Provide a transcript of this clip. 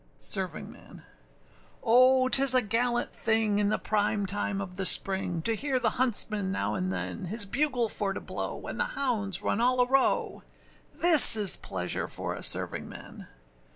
SERVINGMAN. O âtis a gallant thing in the prime time of the spring, To hear the huntsman now and than His bugle for to blow, and the hounds run all a row: This is pleasure for a servingman!